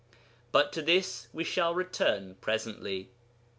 But to this we shall return presently.